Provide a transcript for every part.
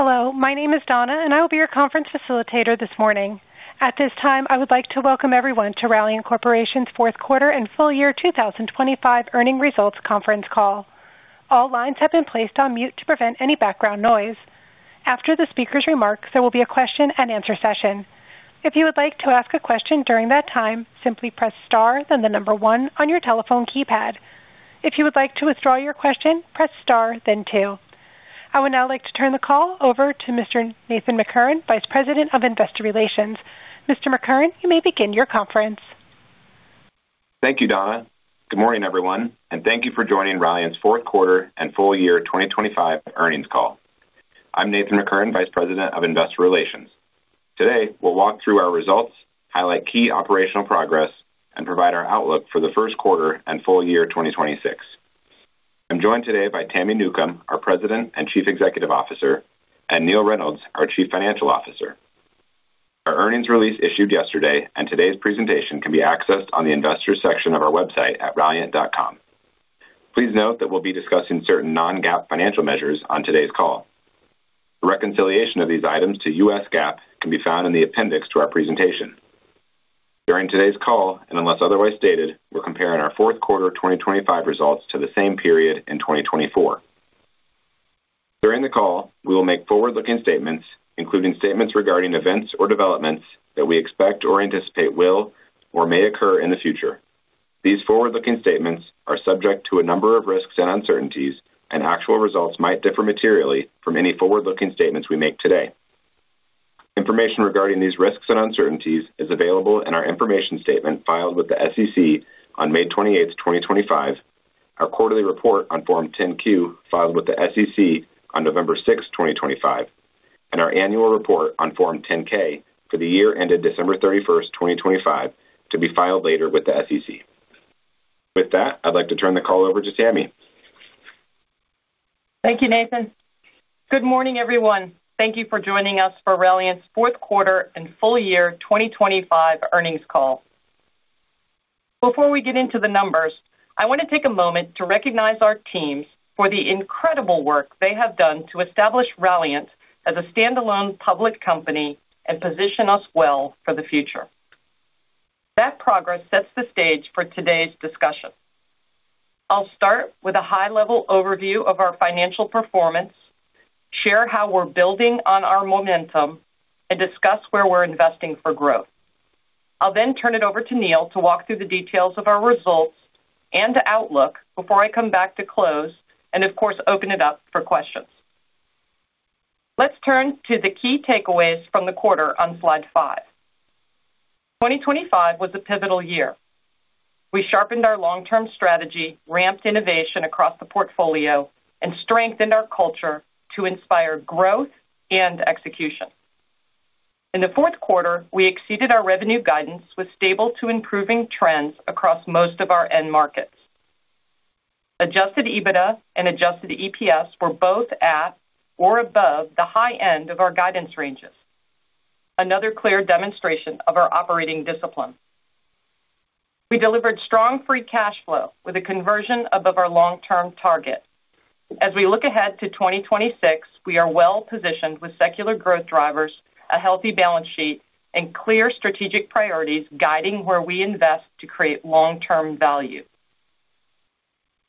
Hello, my name is Donna, and I will be your conference facilitator this morning. At this time, I would like to welcome everyone to Ralliant Corporation's fourth quarter and full year 2025 earnings results conference call. All lines have been placed on mute to prevent any background noise. After the speaker's remarks, there will be a question-and-answer session. If you would like to ask a question during that time, simply press star, then the number one on your telephone keypad. If you would like to withdraw your question, press star, then two. I would now like to turn the call over to Mr. Nathan McKern, Vice President of Investor Relations. Mr. McKern, you may begin your conference. Thank you, Donna. Good morning, everyone, and thank you for joining Ralliant's fourth quarter and full year 2025 earnings call. I'm Nathan McKern, Vice President of Investor Relations. Today, we'll walk through our results, highlight key operational progress, and provide our outlook for the first quarter and full year 2026. I'm joined today by Tami Newcombe, our President and Chief Executive Officer, and Neill Reynolds, our Chief Financial Officer. Our earnings release issued yesterday, and today's presentation can be accessed on the Investors section of our website at ralliant.com. Please note that we'll be discussing certain non-GAAP financial measures on today's call. The reconciliation of these items to U.S. GAAP can be found in the appendix to our presentation. During today's call, and unless otherwise stated, we're comparing our fourth quarter of 2025 results to the same period in 2024. During the call, we will make forward-looking statements, including statements regarding events or developments that we expect or anticipate will or may occur in the future. These forward-looking statements are subject to a number of risks and uncertainties, and actual results might differ materially from any forward-looking statements we make today. Information regarding these risks and uncertainties is available in our information statement filed with the SEC on May 28, 2025, our quarterly report on Form 10-Q, filed with the SEC on November 6, 2025, and our annual report on Form 10-K for the year ended December 31, 2025, to be filed later with the SEC. With that, I'd like to turn the call over to Tami. Thank you, Nathan. Good morning, everyone. Thank you for joining us for Ralliant's fourth quarter and full year 2025 earnings call. Before we get into the numbers, I want to take a moment to recognize our teams for the incredible work they have done to establish Ralliant as a standalone public company and position us well for the future. That progress sets the stage for today's discussion. I'll start with a high-level overview of our financial performance, share how we're building on our momentum, and discuss where we're investing for growth. I'll then turn it over to Neill to walk through the details of our results and outlook before I come back to close and, of course, open it up for questions. Let's turn to the key takeaways from the quarter on slide five. 2025 was a pivotal year. We sharpened our long-term strategy, ramped innovation across the portfolio, and strengthened our culture to inspire growth and execution. In the fourth quarter, we exceeded our revenue guidance with stable to improving trends across most of our end markets. Adjusted EBITDA and adjusted EPS were both at or above the high end of our guidance ranges. Another clear demonstration of our operating discipline. We delivered strong free cash flow with a conversion above our long-term target. As we look ahead to 2026, we are well-positioned with secular growth drivers, a healthy balance sheet, and clear strategic priorities, guiding where we invest to create long-term value.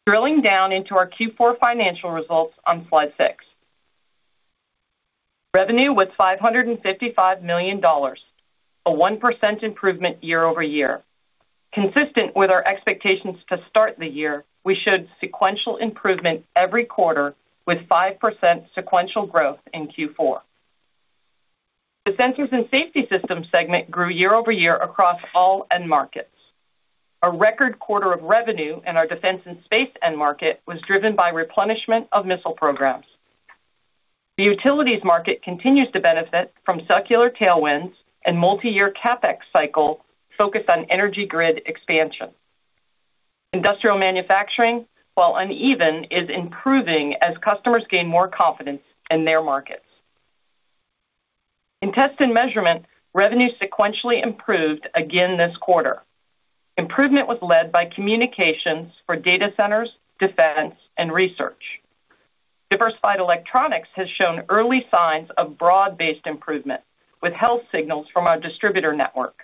Drilling down into our Q4 financial results on slide six. Revenue was $555 million, a 1% improvement year-over-year. Consistent with our expectations to start the year, we showed sequential improvement every quarter with 5% sequential growth in Q4. The Sensors and Safety Systems segment grew year-over-year across all end markets. A record quarter of revenue in our defense and space end market was driven by replenishment of missile programs. The utilities market continues to benefit from secular tailwinds and multi-year CapEx cycle focused on energy grid expansion. Industrial manufacturing, while uneven, is improving as customers gain more confidence in their markets. In test and measurement, revenue sequentially improved again this quarter. Improvement was led by communications for data centers, defense, and research. Diversified electronics has shown early signs of broad-based improvement, with health signals from our distributor network,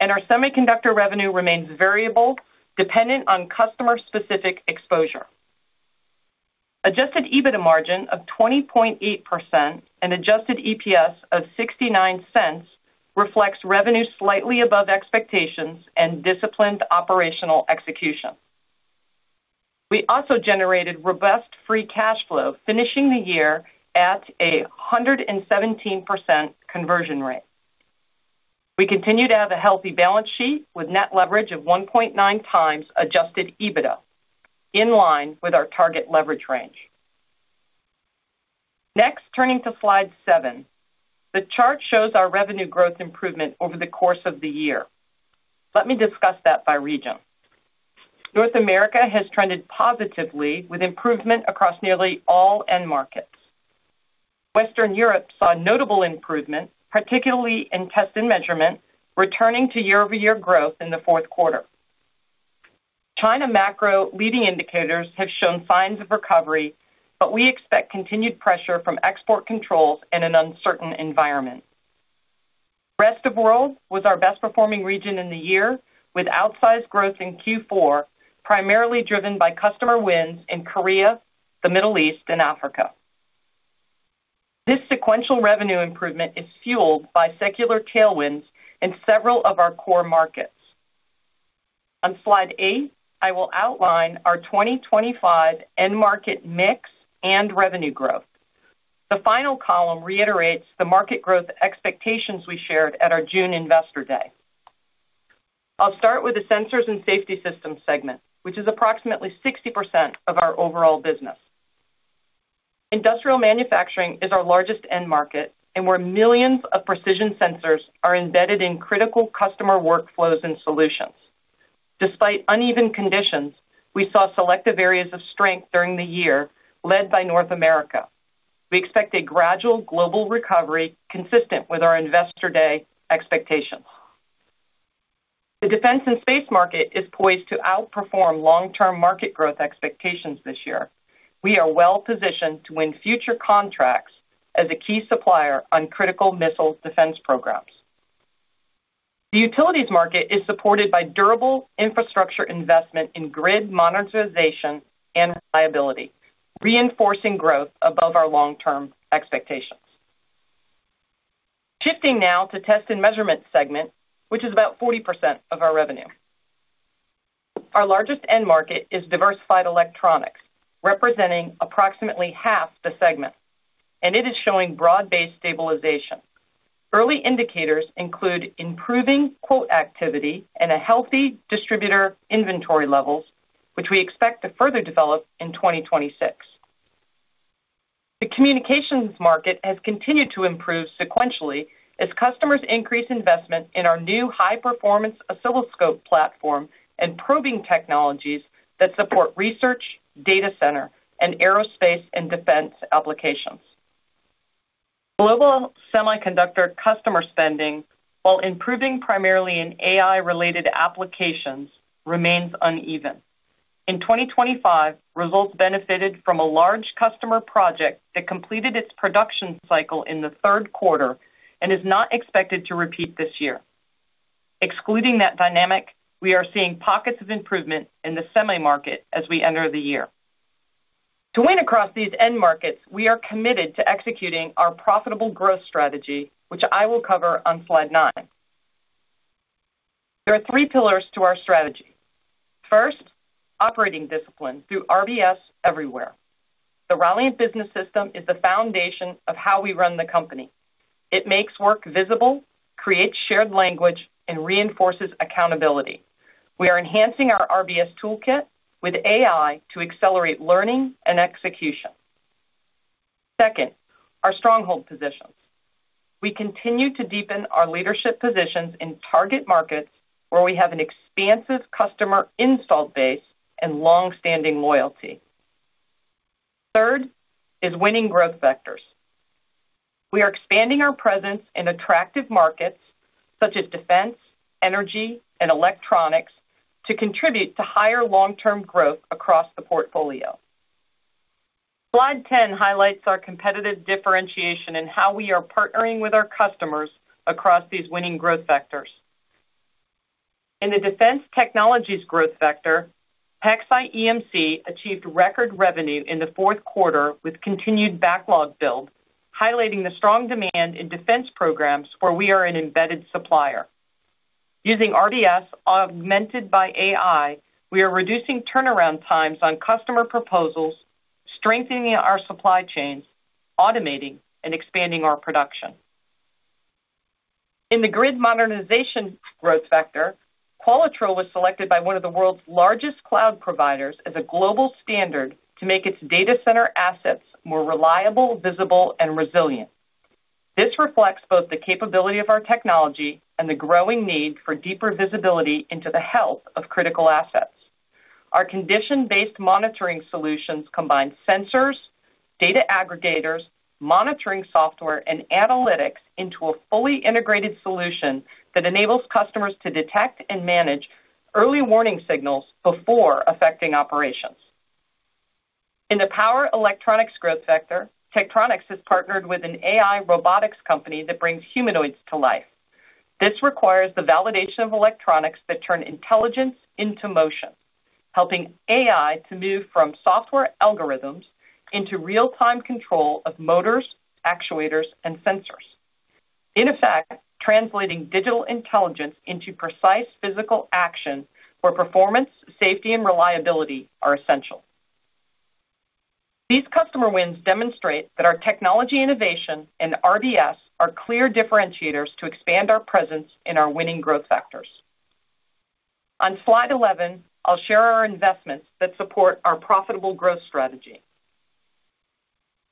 and our semiconductor revenue remains variable, dependent on customer-specific exposure. Adjusted EBITDA margin of 20.8% and adjusted EPS of $0.69 reflects revenue slightly above expectations and disciplined operational execution. We also generated robust free cash flow, finishing the year at a 117% conversion rate. We continue to have a healthy balance sheet with net leverage of 1.9x adjusted EBITDA, in line with our target leverage range. Next, turning to slide seven. The chart shows our revenue growth improvement over the course of the year. Let me discuss that by region. North America has trended positively with improvement across nearly all end markets. Western Europe saw a notable improvement, particularly in test and measurement, returning to year-over-year growth in the fourth quarter. China macro leading indicators have shown signs of recovery, but we expect continued pressure from export controls in an uncertain environment. Rest of World was our best-performing region in the year, with outsized growth in Q4, primarily driven by customer wins in Korea, the Middle East, and Africa. This sequential revenue improvement is fueled by secular tailwinds in several of our core markets. On slide eight, I will outline our 2025 end market mix and revenue growth. The final column reiterates the market growth expectations we shared at our June Investor Day. I'll start with the Sensors and Safety Systems segment, which is approximately 60% of our overall business. Industrial manufacturing is our largest end market, and where millions of precision sensors are embedded in critical customer workflows and solutions. Despite uneven conditions, we saw selective areas of strength during the year, led by North America. We expect a gradual global recovery consistent with our Investor Day expectations. The defense and space market is poised to outperform long-term market growth expectations this year. We are well-positioned to win future contracts as a key supplier on critical missile defense programs. The utilities market is supported by durable infrastructure investment in grid modernization and reliability, reinforcing growth above our long-term expectations. Shifting now to Test and Measurement segment, which is about 40% of our revenue. Our largest end market is diversified electronics, representing approximately half the segment, and it is showing broad-based stabilization. Early indicators include improving quote activity and a healthy distributor inventory levels, which we expect to further develop in 2026. The communications market has continued to improve sequentially as customers increase investment in our new high-performance oscilloscope platform and probing technologies that support research, data center, and aerospace and defense applications. Global semiconductor customer spending, while improving primarily in AI-related applications, remains uneven. In 2025, results benefited from a large customer project that completed its production cycle in the third quarter and is not expected to repeat this year. Excluding that dynamic, we are seeing pockets of improvement in the semi market as we enter the year. To win across these end markets, we are committed to executing our profitable growth strategy, which I will cover on slide nine. There are three pillars to our strategy. First, operating discipline through RBS everywhere. The Ralliant Business System is the foundation of how we run the company. It makes work visible, creates shared language, and reinforces accountability. We are enhancing our RBS toolkit with AI to accelerate learning and execution. Second, our stronghold positions. We continue to deepen our leadership positions in target markets where we have an expansive customer install base and long-standing loyalty. Third is winning growth vectors. We are expanding our presence in attractive markets such as defense, energy, and electronics, to contribute to higher long-term growth across the portfolio. Slide 10 highlights our competitive differentiation and how we are partnering with our customers across these winning growth vectors. In the defense technologies growth vector, PacSci EMC achieved record revenue in the fourth quarter with continued backlog build, highlighting the strong demand in defense programs where we are an embedded supplier. Using RBS, augmented by AI, we are reducing turnaround times on customer proposals, strengthening our supply chain, automating and expanding our production. In the grid modernization growth vector, Qualitrol was selected by one of the world's largest cloud providers as a global standard to make its data center assets more reliable, visible, and resilient. This reflects both the capability of our technology and the growing need for deeper visibility into the health of critical assets. Our condition-based monitoring solutions combine sensors, data aggregators, monitoring software, and analytics into a fully integrated solution that enables customers to detect and manage early warning signals before affecting operations. In the power electronics growth sector, Tektronix has partnered with an AI robotics company that brings humanoids to life. This requires the validation of electronics that turn intelligence into motion, helping AI to move from software algorithms into real-time control of motors, actuators, and sensors. In effect, translating digital intelligence into precise physical action where performance, safety, and reliability are essential. These customer wins demonstrate that our technology innovation and RBS are clear differentiators to expand our presence in our winning growth factors. On slide 11, I'll share our investments that support our profitable growth strategy.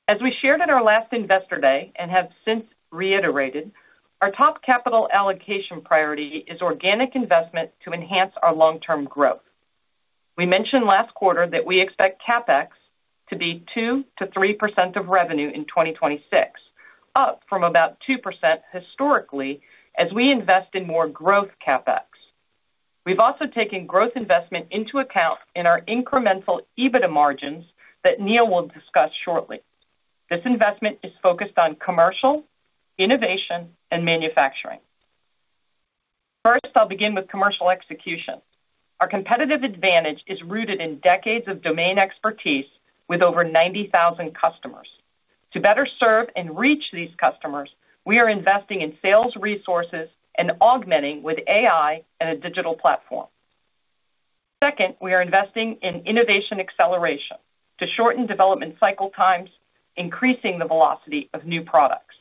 As we shared at our last Investor Day, and have since reiterated, our top capital allocation priority is organic investment to enhance our long-term growth. We mentioned last quarter that we expect CapEx to be 2%-3% of revenue in 2026, up from about 2% historically, as we invest in more growth CapEx. We've also taken growth investment into account in our incremental EBITDA margins that Neill will discuss shortly. This investment is focused on commercial, innovation, and manufacturing. First, I'll begin with commercial execution. Our competitive advantage is rooted in decades of domain expertise with over 90,000 customers. To better serve and reach these customers, we are investing in sales resources and augmenting with AI and a digital platform. Second, we are investing in innovation acceleration to shorten development cycle times, increasing the velocity of new products.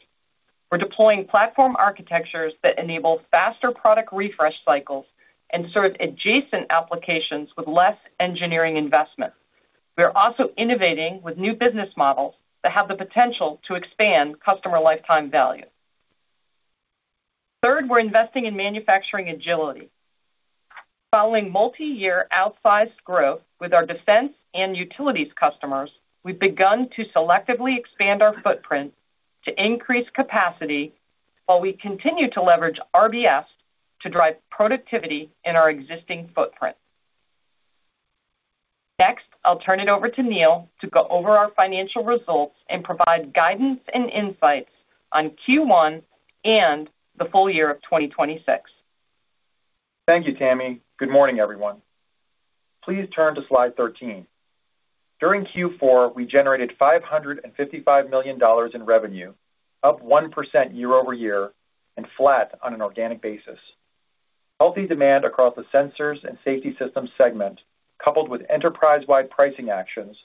We're deploying platform architectures that enable faster product refresh cycles and serve adjacent applications with less engineering investment. We are also innovating with new business models that have the potential to expand customer lifetime value. Third, we're investing in manufacturing agility. Following multi-year outsized growth with our defense and utilities customers, we've begun to selectively expand our footprint to increase capacity while we continue to leverage RBS to drive productivity in our existing footprint. Next, I'll turn it over to Neill to go over our financial results and provide guidance and insights on Q1 and the full year of 2026. Thank you, Tami. Good morning, everyone. Please turn to slide 13. During Q4, we generated $555 million in revenue, up 1% year-over-year and flat on an organic basis. Healthy demand across the Sensors and Safety Systems segment, coupled with enterprise-wide pricing actions,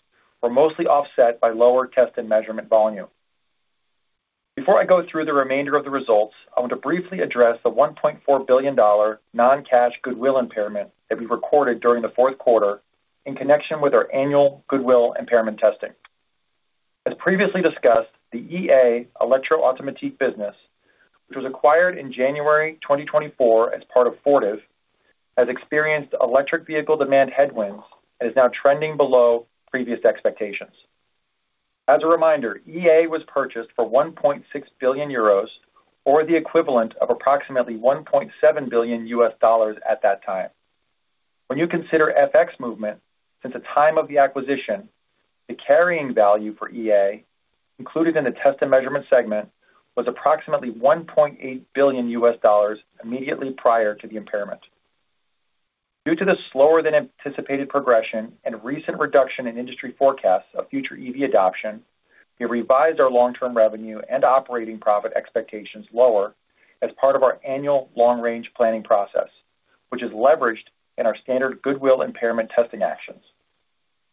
were mostly offset by lower test and measurement volume. Before I go through the remainder of the results, I want to briefly address the $1.4 billion non-cash goodwill impairment that we recorded during the fourth quarter in connection with our annual goodwill impairment testing. As previously discussed, the EA, Elektro-Automatik business, which was acquired in January 2024 as part of Fortive, has experienced electric vehicle demand headwinds and is now trending below previous expectations. As a reminder, EA was purchased for 1.6 billion euros, or the equivalent of approximately $1.7 billion at that time. When you consider FX movement, since the time of the acquisition, the carrying value for EA, included in the test and measurement segment, was approximately $1.8 billion immediately prior to the impairment. Due to the slower than anticipated progression and recent reduction in industry forecasts of future EV adoption, we revised our long-term revenue and operating profit expectations lower as part of our annual long-range planning process, which is leveraged in our standard goodwill impairment testing actions.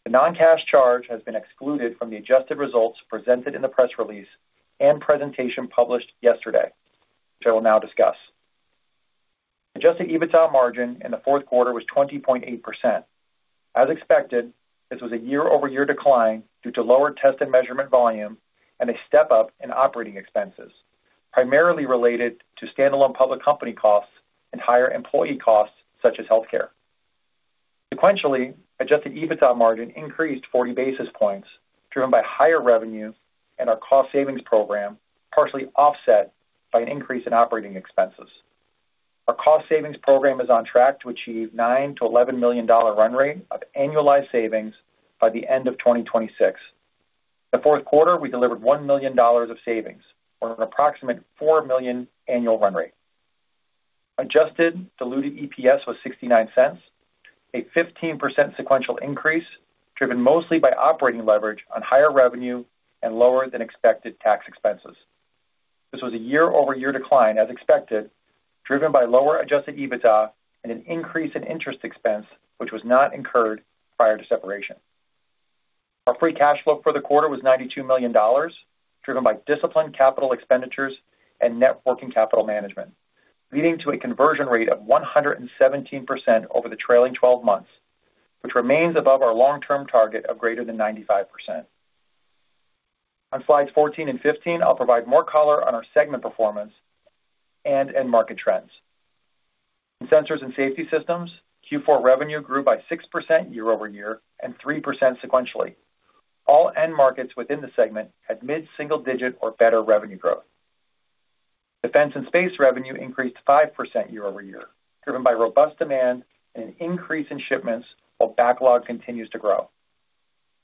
The non-cash charge has been excluded from the adjusted results presented in the press release and presentation published yesterday, which I will now discuss. Adjusted EBITDA margin in the fourth quarter was 20.8%. As expected, this was a year-over-year decline due to lower test and measurement volume and a step up in operating expenses, primarily related to standalone public company costs and higher employee costs, such as healthcare. Sequentially, adjusted EBITDA margin increased 40 basis points, driven by higher revenue and our cost savings program, partially offset by an increase in operating expenses. Our cost savings program is on track to achieve $9 million-$11 million run rate of annualized savings by the end of 2026. The fourth quarter, we delivered $1 million of savings on an approximate $4 million annual run rate. Adjusted diluted EPS was $0.69, a 15% sequential increase, driven mostly by operating leverage on higher revenue and lower than expected tax expenses. This was a year-over-year decline, as expected, driven by lower adjusted EBITDA and an increase in interest expense, which was not incurred prior to separation. Our free cash flow for the quarter was $92 million, driven by disciplined capital expenditures and net working capital management, leading to a conversion rate of 117% over the trailing 12 months, which remains above our long-term target of greater than 95%. On slides 14 and 15, I'll provide more color on our segment performance and end market trends. In Sensors and Safety Systems, Q4 revenue grew by 6% year-over-year and 3% sequentially. All end markets within the segment had mid-single digit or better revenue growth. Defense and space revenue increased 5% year-over-year, driven by robust demand and an increase in shipments, while backlog continues to grow.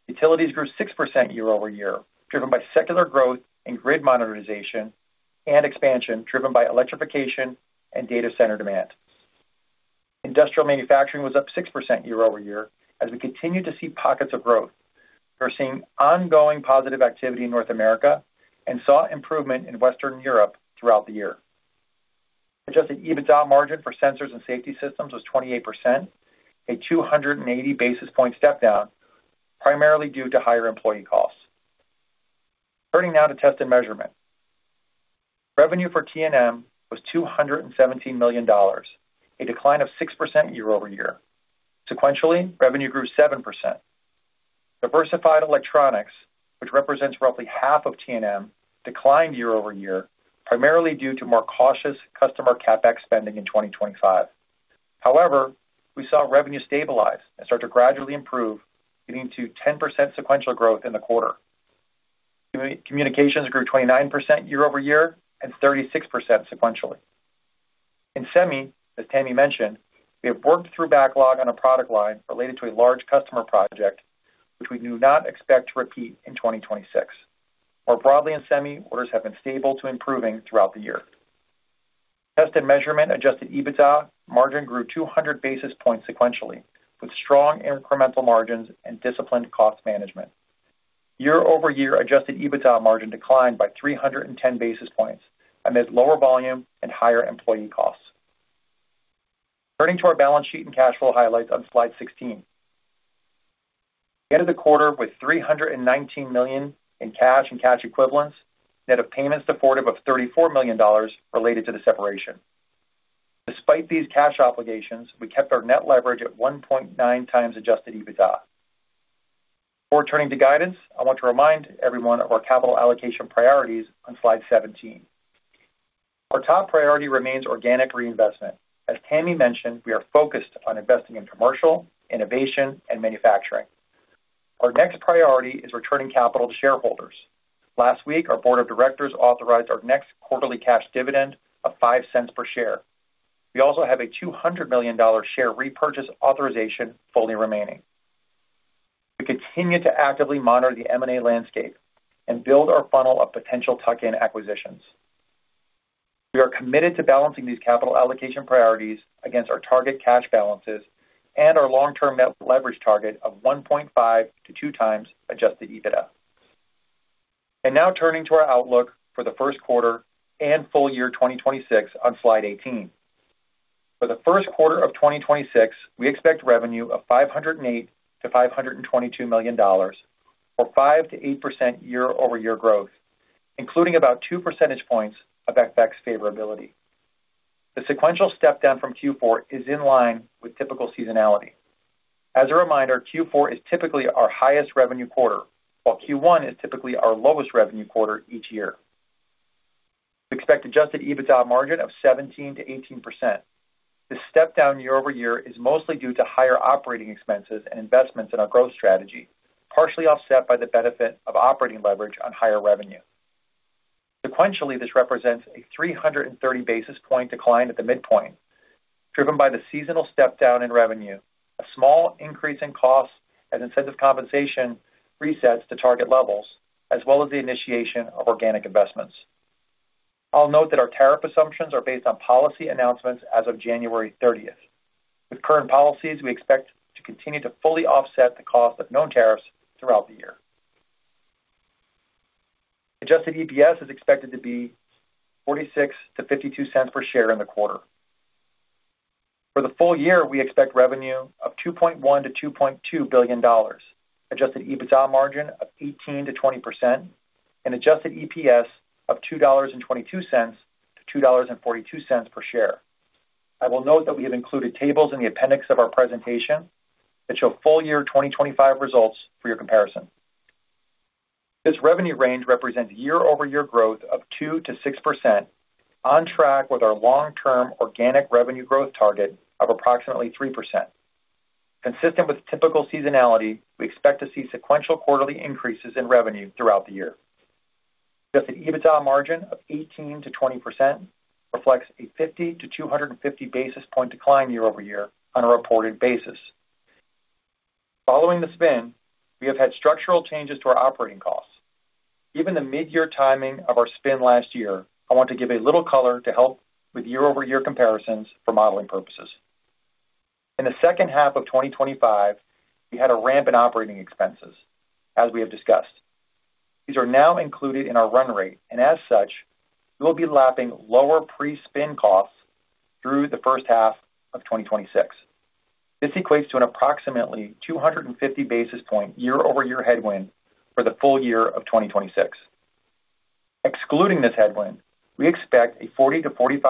Utilities grew 6% year-over-year, driven by secular growth and grid modernization and expansion, driven by electrification and data center demand. Industrial manufacturing was up 6% year-over-year as we continued to see pockets of growth. We're seeing ongoing positive activity in North America and saw improvement in Western Europe throughout the year. Adjusted EBITDA margin for Sensors and Safety Systems was 28%, a 280 basis point step down, primarily due to higher employee costs. Turning now to Test and Measurement. Revenue for TSM was $217 million, a decline of 6% year-over-year. Sequentially, revenue grew 7%. Diversified electronics, which represents roughly half of TSM, declined year-over-year, primarily due to more cautious customer CapEx spending in 2025. However, we saw revenue stabilize and start to gradually improve, leading to 10% sequential growth in the quarter. Communications grew 29% year-over-year and 36% sequentially. In Semi, as Tami mentioned, we have worked through backlog on a product line related to a large customer project, which we do not expect to repeat in 2026. More broadly, in Semi, orders have been stable to improving throughout the year. Test and Measurement adjusted EBITDA margin grew 200 basis points sequentially, with strong incremental margins and disciplined cost management. Year-over-year adjusted EBITDA margin declined by 310 basis points amid lower volume and higher employee costs. Turning to our balance sheet and cash flow highlights on Slide 16. We ended the quarter with $319 million in cash and cash equivalents, net of payments supportive of $34 million related to the separation. Despite these cash obligations, we kept our net leverage at 1.9x adjusted EBITDA. Before turning to guidance, I want to remind everyone of our capital allocation priorities on Slide 17. Our top priority remains organic reinvestment. As Tami mentioned, we are focused on investing in commercial, innovation, and manufacturing. Our next priority is returning capital to shareholders. Last week, our board of directors authorized our next quarterly cash dividend of $0.05 per share. We also have a $200 million share repurchase authorization fully remaining. We continue to actively monitor the M&A landscape and build our funnel of potential tuck-in acquisitions. We are committed to balancing these capital allocation priorities against our target cash balances and our long-term net leverage target of 1.5-2x adjusted EBITDA. Now turning to our outlook for the first quarter and full year 2026 on Slide 18. For the first quarter of 2026, we expect revenue of $508 million-$522 million, or 5%-8% year-over-year growth, including about two percentage points of FX favorability. The sequential step down from Q4 is in line with typical seasonality. As a reminder, Q4 is typically our highest revenue quarter, while Q1 is typically our lowest revenue quarter each year. We expect Adjusted EBITDA margin of 17%-18%. This step down year-over-year is mostly due to higher operating expenses and investments in our growth strategy, partially offset by the benefit of operating leverage on higher revenue. Sequentially, this represents a 330 basis point decline at the midpoint, driven by the seasonal step down in revenue, a small increase in costs and incentive compensation resets to target levels, as well as the initiation of organic investments. I'll note that our tariff assumptions are based on policy announcements as of January 30. With current policies, we expect to continue to fully offset the cost of known tariffs throughout the year. Adjusted EPS is expected to be $0.46-$0.52 per share in the quarter. For the full year, we expect revenue of $2.1 billion-$2.2 billion, Adjusted EBITDA margin of 18%-20%, and Adjusted EPS of $2.22-$2.42 per share. I will note that we have included tables in the appendix of our presentation that show full year 2025 results for your comparison. This revenue range represents year-over-year growth of 2%-6%, on track with our long-term organic revenue growth target of approximately 3%. Consistent with typical seasonality, we expect to see sequential quarterly increases in revenue throughout the year. The adjusted EBITDA margin of 18%-20% reflects a 50-250 basis point decline year-over-year on a reported basis. Following the spin, we have had structural changes to our operating costs. Given the mid-year timing of our spin last year, I want to give a little color to help with year-over-year comparisons for modeling purposes. In the second half of 2025, we had a ramp in operating expenses, as we have discussed. These are now included in our run rate, and as such, we will be lapping lower pre-spin costs through the first half of 2026. This equates to an approximately 250 basis points year-over-year headwind for the full year of 2026. Excluding this headwind, we expect a 40%-45%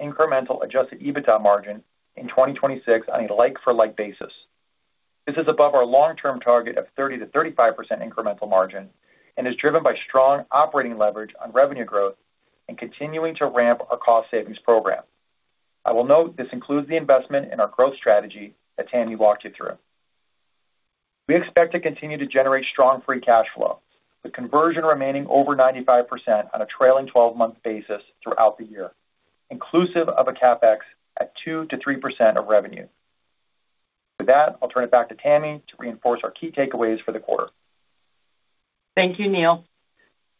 incremental adjusted EBITDA margin in 2026 on a like-for-like basis. This is above our long-term target of 30%-35% incremental margin, and is driven by strong operating leverage on revenue growth and continuing to ramp our cost savings program. I will note this includes the investment in our growth strategy that Tami walked you through. We expect to continue to generate strong free cash flow, with conversion remaining over 95% on a trailing 12-month basis throughout the year, inclusive of a CapEx at 2%-3% of revenue. With that, I'll turn it back to Tami to reinforce our key takeaways for the quarter. Thank you, Neill.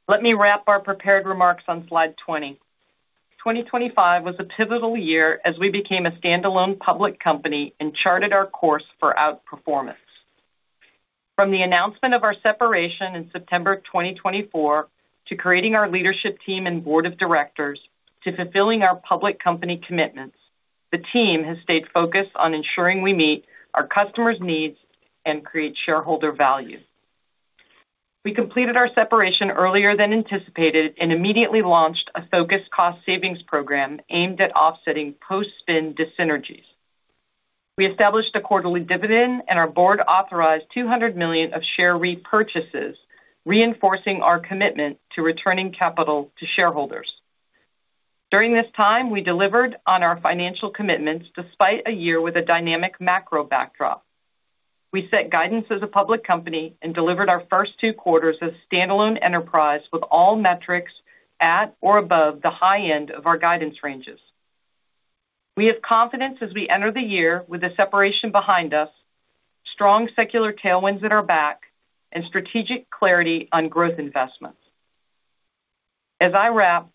Let me wrap our prepared remarks on Slide 20. 2025 was a pivotal year as we became a standalone public company and charted our course for outperformance. From the announcement of our separation in September of 2024, to creating our leadership team and board of directors, to fulfilling our public company commitments, the team has stayed focused on ensuring we meet our customers' needs and create shareholder value. We completed our separation earlier than anticipated and immediately launched a focused cost savings program aimed at offsetting post-spin dyssynergies. We established a quarterly dividend, and our board authorized $200 million of share repurchases, reinforcing our commitment to returning capital to shareholders. During this time, we delivered on our financial commitments despite a year with a dynamic macro backdrop. We set guidance as a public company and delivered our first two quarters of standalone enterprise with all metrics at or above the high end of our guidance ranges. We have confidence as we enter the year with the separation behind us, strong secular tailwinds at our back, and strategic clarity on growth investments. As I wrap,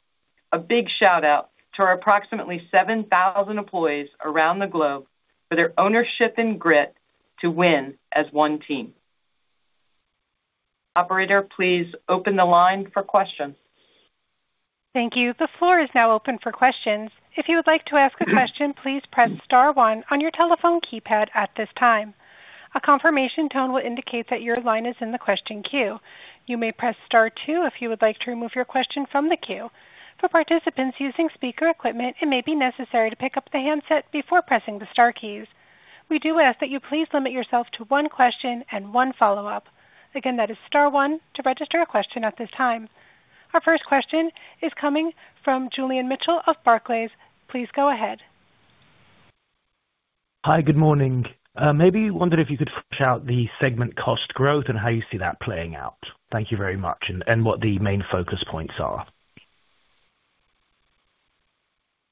a big shout-out to our approximately 7,000 employees around the globe for their ownership and grit to win as one team. Operator, please open the line for questions. Thank you. The floor is now open for questions. If you would like to ask a question, please press star one on your telephone keypad at this time. A confirmation tone will indicate that your line is in the question queue. You may press star two if you would like to remove your question from the queue. For participants using speaker equipment, it may be necessary to pick up the handset before pressing the star keys. We do ask that you please limit yourself to one question and one follow-up. Again, that is star one to register a question at this time. Our first question is coming from Julian Mitchell of Barclays. Please go ahead. Hi, good morning. Maybe you wondered if you could flesh out the segment cost growth and how you see that playing out. Thank you very much. And what the main focus points are.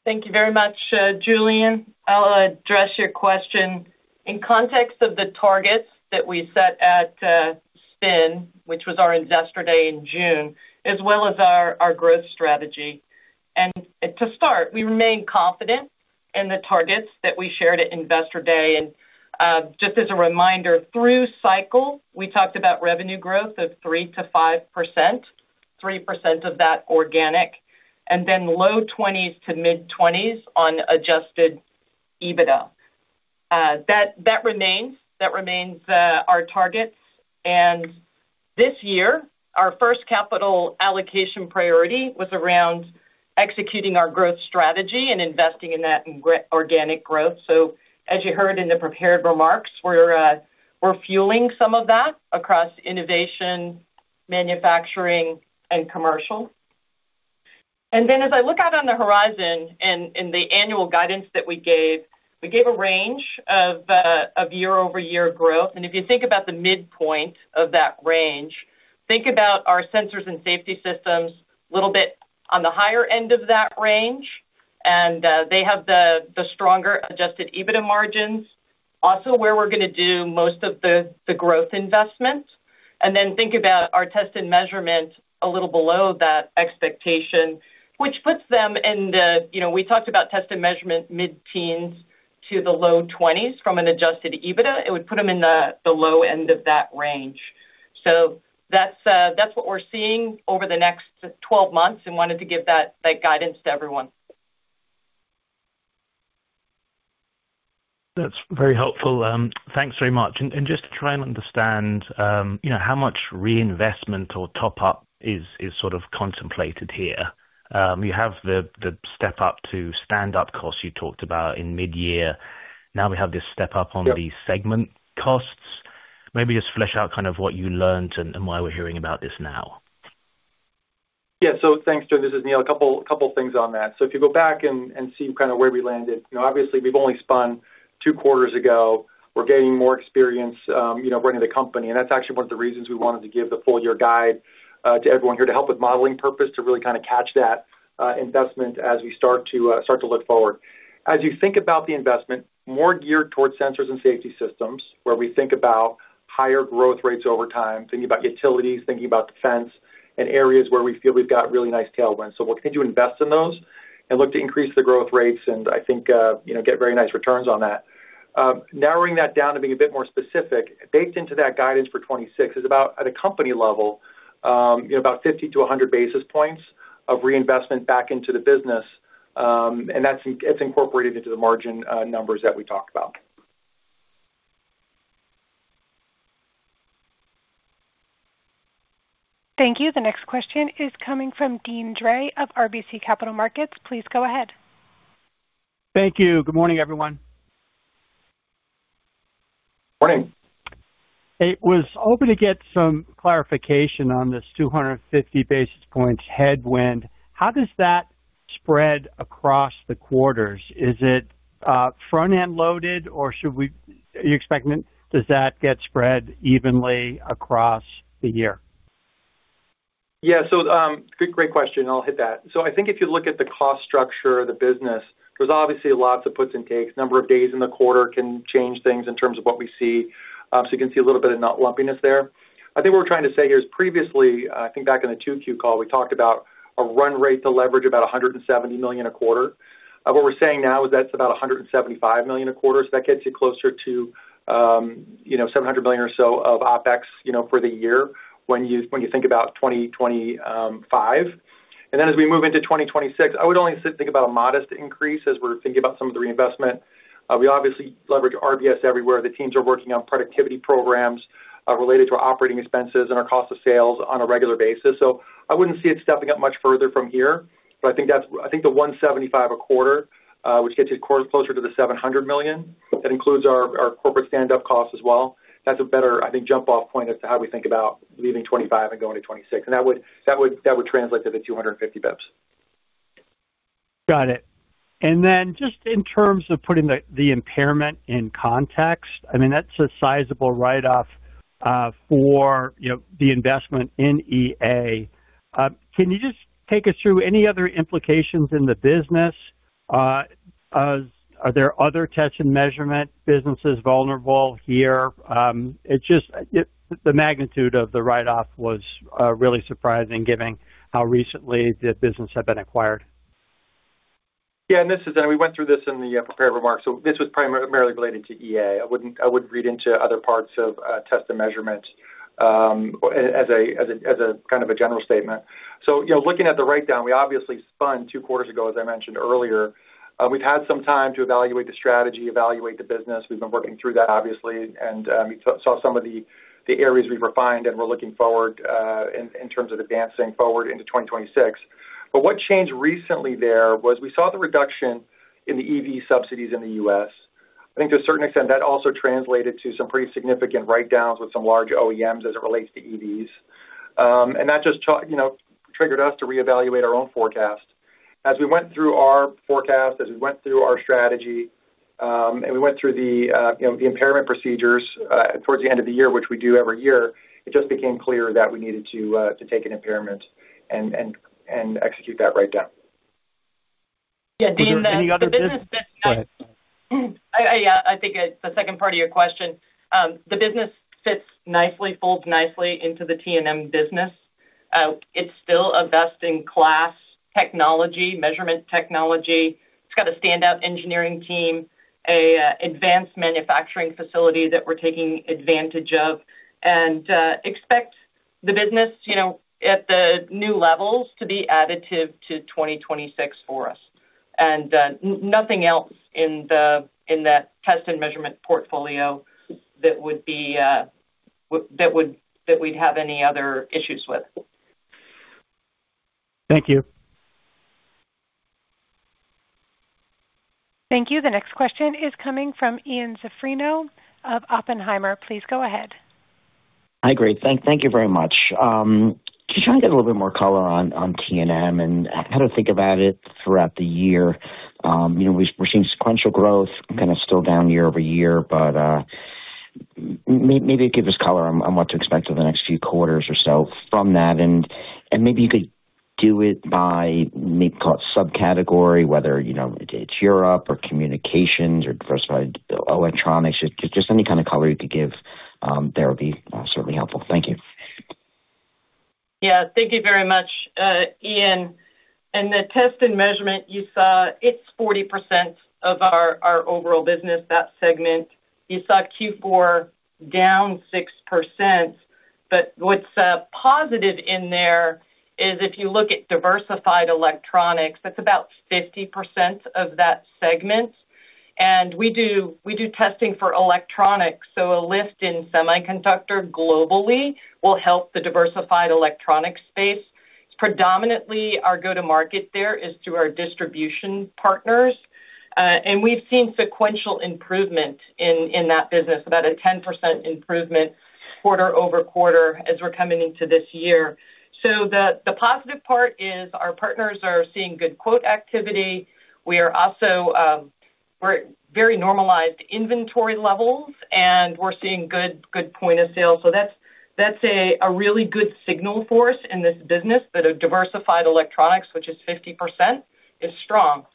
Thank you very much, Julian. I'll address your question. In context of the targets that we set at Spin, which was our Investor Day in June, as well as our growth strategy. To start, we remain confident in the targets that we shared at Investor Day. Just as a reminder, through cycle, we talked about revenue growth of 3%-5%, 3% of that organic, and then low 20s to mid-20s on adjusted EBITDA. That remains our targets. This year, our first capital allocation priority was around executing our growth strategy and investing in that, in organic growth. So as you heard in the prepared remarks, we're fueling some of that across innovation, manufacturing, and commercial. As I look out on the horizon and the annual guidance that we gave, we gave a range of year-over-year growth. And if you think about the midpoint of that range, think about our Sensors and Safety Systems a little bit on the higher end of that range, and they have the stronger Adjusted EBITDA margins, also where we're going to do most of the growth investment. And then think about our Test and Measurement a little below that expectation, which puts them in the... You know, we talked about Test and Measurement, mid-teens to the low twenties from an Adjusted EBITDA. It would put them in the low end of that range. So that's what we're seeing over the next 12 months and wanted to give that guidance to everyone. That's very helpful. Thanks very much. And just to try and understand, you know, how much reinvestment or top up is sort of contemplated here. You have the step-up to stand-up costs you talked about in mid-year. Now we have this step-up on-Yep. the segment costs. Maybe just flesh out kind of what you learned and, and why we're hearing about this now. Yeah. So thanks, Julian. This is Neill. A couple of things on that. So if you go back and see kind of where we landed, you know, obviously we've only spun two quarters ago. We're gaining more experience, you know, running the company, and that's actually one of the reasons we wanted to give the full year guide to everyone here to help with modeling purpose, to really kind of catch that investment as we start to look forward. As you think about the investment, more geared towards sensors and safety systems, where we think about higher growth rates over time, thinking about utilities, thinking about defense and areas where we feel we've got really nice tailwinds. We'll continue to invest in those and look to increase the growth rates, and I think, you know, get very nice returns on that. Narrowing that down to being a bit more specific, baked into that guidance for 2026 is about, at a company level, you know, about 50-100 basis points of reinvestment back into the business, and that's, it's incorporated into the margin numbers that we talked about. Thank you. The next question is coming from Deane Dray of RBC Capital Markets. Please go ahead. Thank you. Good morning, everyone. Morning. I was hoping to get some clarification on this 250 basis points headwind. How does that spread across the quarters? Is it front-end loaded, or are you expecting, does that get spread evenly across the year? Yeah. So, great question. I'll hit that. So I think if you look at the cost structure of the business, there's obviously lots of puts and takes. Number of days in the quarter can change things in terms of what we see. So you can see a little bit of not lumpiness there. I think what we're trying to say here is previously, I think back in the 2Q call, we talked about a run rate to leverage about $170 million a quarter. What we're saying now is that's about $175 million a quarter. So that gets you closer to, you know, $700 million or so of OpEx, you know, for the year, when you, when you think about 2025. As we move into 2026, I would only think about a modest increase as we're thinking about some of the reinvestment. We obviously leverage RBS everywhere. The teams are working on productivity programs related to operating expenses and our cost of sales on a regular basis. So I wouldn't see it stepping up much further from here. But I think the 175 a quarter, which gets you closer to the $700 million. That includes our corporate stand-up costs as well. That's a better, I think, jump-off point as to how we think about leaving 2025 and going to 2026, and that would translate to the 250 basis points. Got it. And then just in terms of putting the impairment in context, I mean, that's a sizable write-off for, you know, the investment in EA. Can you just take us through any other implications in the business? Are there other test and measurement businesses vulnerable here? It's just the magnitude of the write-off was really surprising, given how recently the business had been acquired. Yeah, and this is then we went through this in the prepared remarks. So this was primarily related to EA. I wouldn't, I wouldn't read into other parts of test and measurement as a kind of a general statement. So, you know, looking at the write-down, we obviously spun two quarters ago, as I mentioned earlier. We've had some time to evaluate the strategy, evaluate the business. We've been working through that, obviously, and we saw some of the areas we've refined, and we're looking forward in terms of advancing forward into 2026. But what changed recently there was we saw the reduction in the EV subsidies in the U.S. I think to a certain extent, that also translated to some pretty significant write-downs with some large OEMs as it relates to EVs. That just, you know, triggered us to reevaluate our own forecast. As we went through our forecast, as we went through our strategy, and we went through the, you know, the impairment procedures, towards the end of the year, which we do every year, it just became clear that we needed to take an impairment and execute that write-down. Yeah, Deane, the business Go ahead. Yeah, I think it's the second part of your question. The business fits nicely, folds nicely into the TM business. It's still a best-in-class technology, measurement technology. It's got a stand-up engineering team, a advanced manufacturing facility that we're taking advantage of, and expect the business, you know, at the new levels to be additive to 2026 for us. And nothing else in the, in that test and measurement portfolio that would be, that would- that we'd have any other issues with. Thank you. Thank you. The next question is coming from Ian Zaffino of Oppenheimer. Please go ahead. Hi, great. Thank you very much. Just trying to get a little bit more color on T&M and how to think about it throughout the year. You know, we're seeing sequential growth kind of still down year over year, but maybe give us color on what to expect over the next few quarters or so from that. And maybe you could do it by maybe subcategory, whether you know it's Europe or communications or diversified electronics. Just any kind of color you could give there will be certainly helpful. Thank you. Yeah, thank you very much, Ian. The Test and Measurement you saw, it's 40% of our overall business, that segment. You saw Q4 down 6%, but what's positive in there is if you look at Diversified Electronics, that's about 50% of that segment. And we do testing for electronics, so a lift in semiconductor globally will help the Diversified Electronics space. Predominantly, our go-to-market there is through our distribution partners, and we've seen sequential improvement in that business, about a 10% improvement quarter-over-quarter as we're coming into this year. So the positive part is our partners are seeing good quote activity. We also have very normalized inventory levels, and we're seeing good point of sale. That's a really good signal for us in this business that diversified electronics, which is 50%, is strong.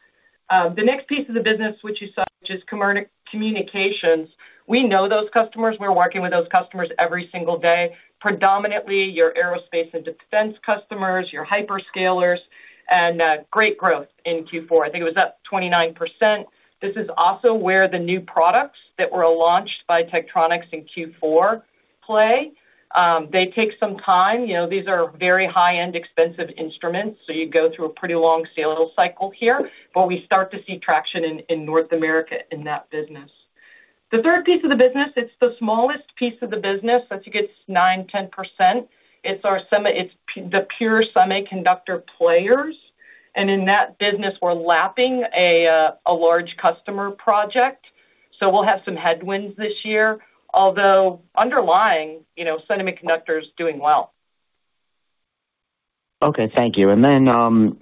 The next piece of the business, which you saw, which is commercial communications, we know those customers. We're working with those customers every single day. Predominantly, your aerospace and defense customers, your hyperscalers, and great growth in Q4. I think it was up 29%. This is also where the new products that were launched by Tektronix in Q4 play. They take some time. You know, these are very high-end, expensive instruments, so you go through a pretty long sales cycle here, but we start to see traction in North America in that business. The third piece of the business, it's the smallest piece of the business. I think it's 9%-10%. It's the pure semiconductor players, and in that business, we're lapping a large customer project, so we'll have some headwinds this year, although underlying, you know, semiconductor is doing well. Okay, thank you. And then,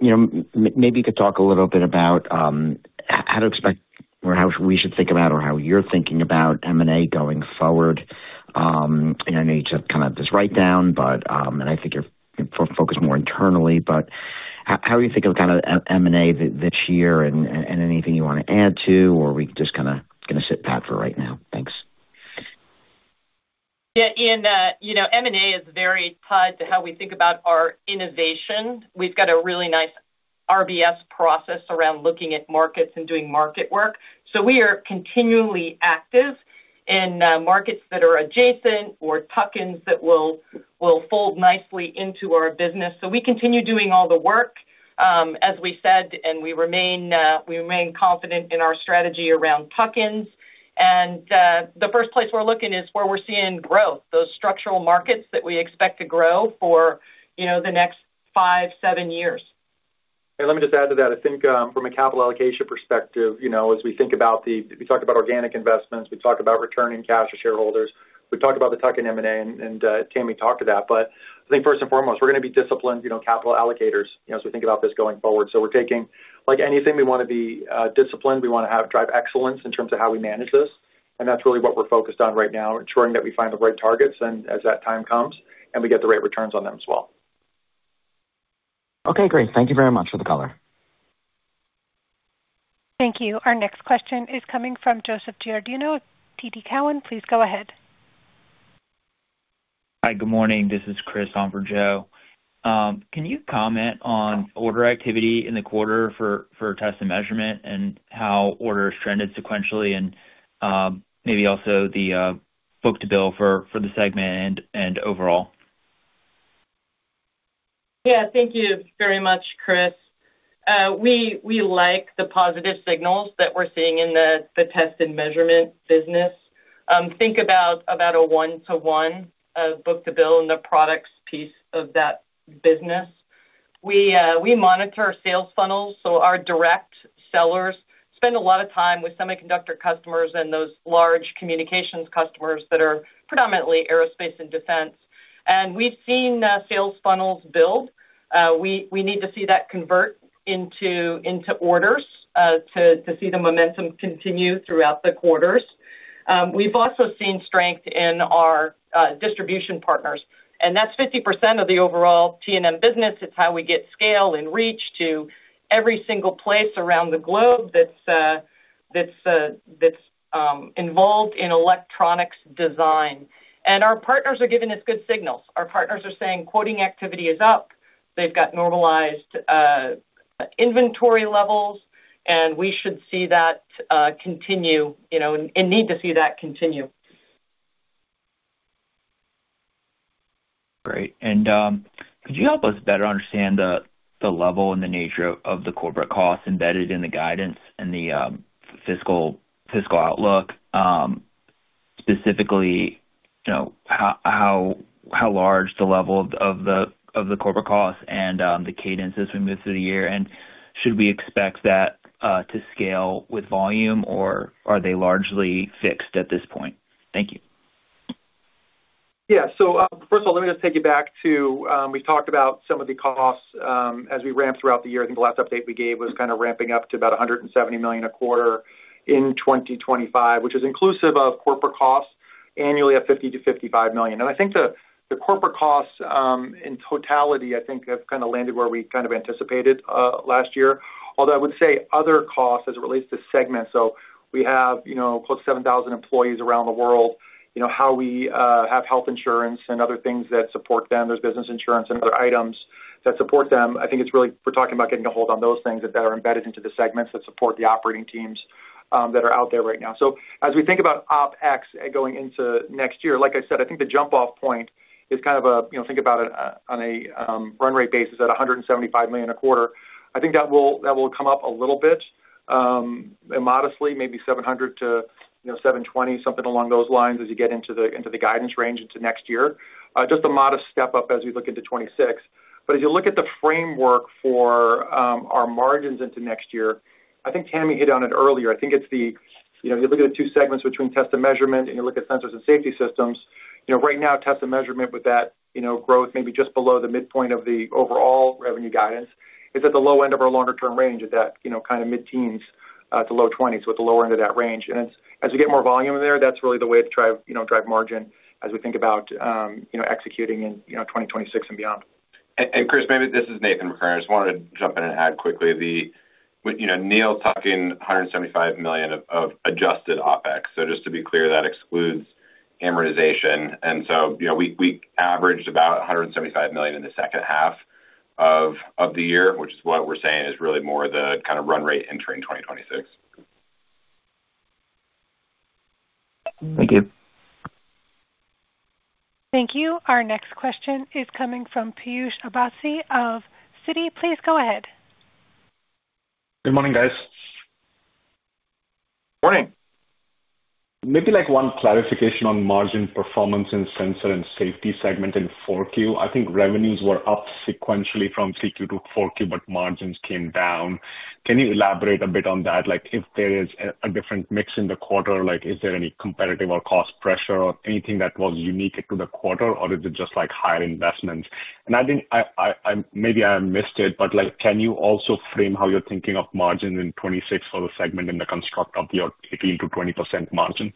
you know, maybe you could talk a little bit about how to expect or how we should think about or how you're thinking about M&A going forward, in light of kind of this write-down. But, and I think you're focused more internally, but how are you thinking of kind of M&A this year and anything you want to add to, or are we just kind of going to sit pat for right now? Thanks. Yeah, Ian, you know, M&A is very tied to how we think about our innovation. We've got a really nice RBS process around looking at markets and doing market work. So we are continually active in markets that are adjacent or tuck-ins that will, will fold nicely into our business. So we continue doing all the work, as we said, and we remain, we remain confident in our strategy around tuck-ins. And, the first place we're looking is where we're seeing growth, those structural markets that we expect to grow for, you know, the next five, seven years. Let me just add to that. I think, from a capital allocation perspective, you know, as we think about the—we talked about organic investments, we talked about returning cash to shareholders, we talked about the tuck-in M&A, and, Tami talked to that. But I think first and foremost, we're going to be disciplined, you know, capital allocators, you know, as we think about this going forward. So like anything, we want to be, disciplined. We want to drive excellence in terms of how we manage this, and that's really what we're focused on right now, ensuring that we find the right targets and as that time comes, and we get the right returns on them as well. Okay, great. Thank you very much for the color. Thank you. Our next question is coming from Joseph Giordano of TD Cowen. Please go ahead. Hi, good morning. This is Chris on for Joe. Can you comment on order activity in the quarter for test and measurement and how orders trended sequentially and, maybe also the book-to-bill for the segment and overall? Yeah, thank you very much, Chris. We like the positive signals that we're seeing in the test and measurement business. Think about a 1:1 book-to-bill in the products piece of that business. We monitor our sales funnels, so our direct sellers spend a lot of time with semiconductor customers and those large communications customers that are predominantly aerospace and defense. And we've seen the sales funnels build. We need to see that convert into orders to see the momentum continue throughout the quarters. We've also seen strength in our distribution partners, and that's 50% of the overall TSM business. It's how we get scale and reach to every single place around the globe that's involved in electronics design. And our partners are giving us good signals. Our partners are saying quoting activity is up. They've got normalized inventory levels, and we should see that continue, you know, and need to see that continue. Great. And, could you help us better understand the, the level and the nature of the corporate costs embedded in the guidance and the, fiscal, fiscal outlook? Specifically, you know, how, how, how large the level of the, of the corporate costs and, the cadence as we move through the year, and should we expect that, to scale with volume, or are they largely fixed at this point? Thank you. Yeah. So, first of all, let me just take you back to, we talked about some of the costs, as we ramped throughout the year. I think the last update we gave was kind of ramping up to about $170 million a quarter in 2025, which is inclusive of corporate costs annually at $50 million-$55 million. And I think the, the corporate costs, in totality, I think, have kind of landed where we kind of anticipated, last year, although I would say other costs as it relates to segments. So we have, you know, close to 7,000 employees around the world, you know, how we, have health insurance and other things that support them. There's business insurance and other items that support them. I think it's really, we're talking about getting a hold on those things that are embedded into the segments that support the operating teams, that are out there right now. So as we think about OpEx going into next year, like I said, I think the jump-off point is kind of a, you know, think about it on a, run rate basis at $175 million a quarter. I think that will come up a little bit, modestly, maybe $700 million-$720 million, something along those lines as you get into the, into the guidance range into next year. Just a modest step up as we look into 2026. But as you look at the framework for, our margins into next year, I think Tami hit on it earlier. I think it's the, you know, you look at the two segments between Test and Measurement, and you look at Sensors and Safety Systems, you know, right now, Test and Measurement with that, you know, growth maybe just below the midpoint of the overall revenue guidance is at the low end of our longer-term range at that, you know, kind of mid-teens to low twenties, so at the lower end of that range. As we get more volume in there, that's really the way to drive, you know, drive margin as we think about, you know, executing in, you know, 2026 and beyond. And Chris, maybe this is Nathan McKern. I just wanted to jump in and add quickly. The, you know, Neill talking $175 million of adjusted OpEx. So just to be clear, that excludes amortization. And so, you know, we averaged about $175 million in the second half of the year, which is what we're saying is really more the kind of run rate entering 2026. Thank you. Thank you. Our next question is coming from Piyush Maheshwari of Citi. Please go ahead. Good morning, guys. Morning! Maybe like one clarification on margin performance in sensor and safety segment in Q4. I think revenues were up sequentially from Q3 to Q4, but margins came down. Can you elaborate a bit on that? Like, if there is a different mix in the quarter, like is there any competitive or cost pressure or anything that was unique to the quarter, or is it just like higher investments? And I think, maybe I missed it, but like, can you also frame how you're thinking of margins in 2026 for the segment in the construct of your 18%-20% margin?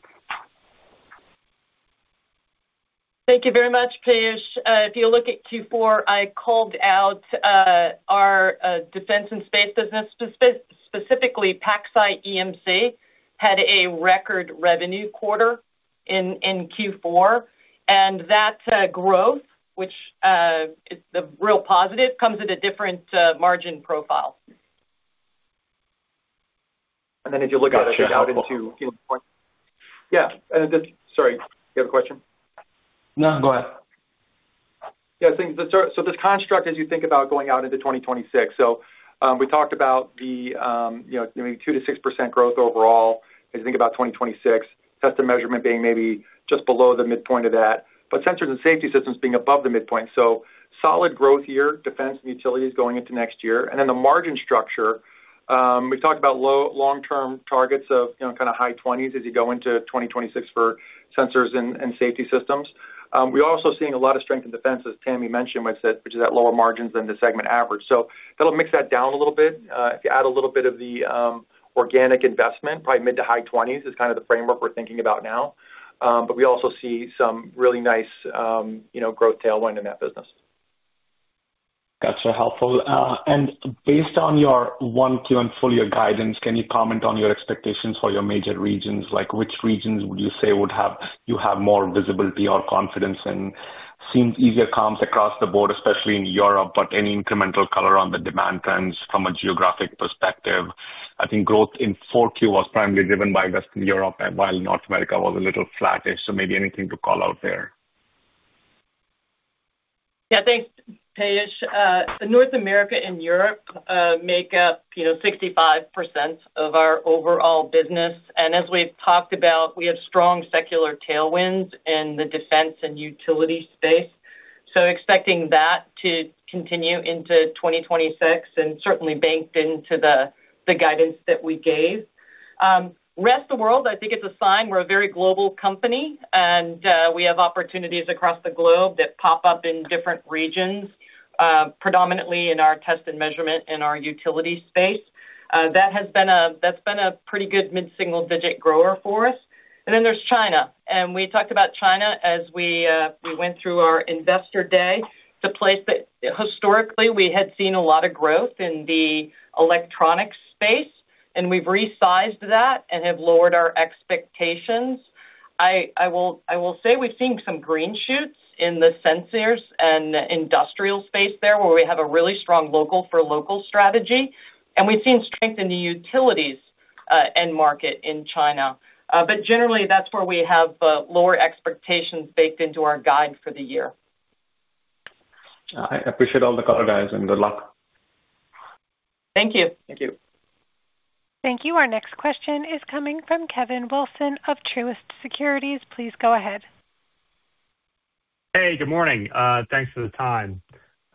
Thank you very much, Piyush. If you look at Q4, I called out our defense and space business. Specifically, PacSci EMC had a record revenue quarter.... in Q4, and that growth, which is the real positive, comes at a different margin profile. And then if you look at it out into yeah, sorry, you have a question? No, go ahead. Yeah, I think. So this construct, as you think about going out into 2026. So, we talked about you know, maybe 2%-6% growth overall, as you think about 2026, Test and Measurement being maybe just below the midpoint of that, but Sensors and Safety Systems being above the midpoint. So solid growth year, defense and utilities going into next year. And then the margin structure, we talked about low long-term targets of, you know, kind of high 20s as you go into 2026 for Sensors and Safety Systems. We're also seeing a lot of strength in defense, as Tami mentioned, which is at lower margins than the segment average. So that'll mix that down a little bit. If you add a little bit of the organic investment, probably mid- to high 20s is kind of the framework we're thinking about now. But we also see some really nice, you know, growth tailwind in that business. That's so helpful. Based on your 1Q and full-year guidance, can you comment on your expectations for your major regions? Like, which regions would you say you have more visibility or confidence in? Seems easier comps across the board, especially in Europe, but any incremental color on the demand trends from a geographic perspective? I think growth in 4Q was primarily driven by Western Europe, and while North America was a little flattish, so maybe anything to call out there. Yeah, thanks, Piyush. North America and Europe make up, you know, 65% of our overall business, and as we've talked about, we have strong secular tailwinds in the defense and utility space, so expecting that to continue into 2026 and certainly banked into the guidance that we gave. Rest of the world, I think it's a sign we're a very global company, and we have opportunities across the globe that pop up in different regions, predominantly in our test and measurement in our utility space. That has been a pretty good mid-single-digit grower for us. And then there's China, and we talked about China as we went through our investor day. It's a place that historically we had seen a lot of growth in the electronics space, and we've resized that and have lowered our expectations. I will say we've seen some green shoots in the sensors and industrial space there, where we have a really strong local for local strategy, and we've seen strength in the utilities end market in China. But generally, that's where we have lower expectations baked into our guide for the year. I appreciate all the color, guys, and good luck. Thank you. Thank you. Thank you. Our next question is coming from Kevin Wilson of Truist Securities. Please go ahead. Hey, good morning. Thanks for the time.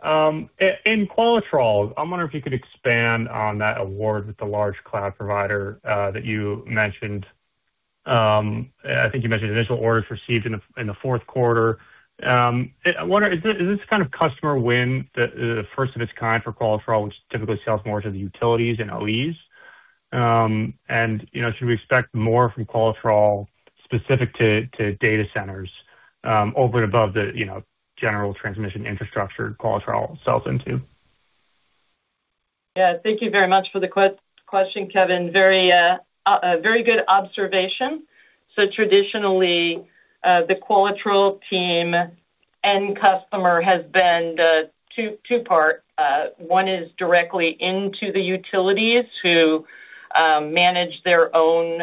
In Qualitrol, I wonder if you could expand on that award with the large cloud provider that you mentioned. I think you mentioned initial orders received in the fourth quarter. I wonder, is this kind of customer win the first of its kind for Qualitrol, which typically sells more to the utilities and OEs? And, you know, should we expect more from Qualitrol specific to data centers, over and above the, you know, general transmission infrastructure Qualitrol sells into? Yeah, thank you very much for the question, Kevin. Very, very good observation. So traditionally, the Qualitrol team end customer has been two-part. One is directly into the utilities who manage their own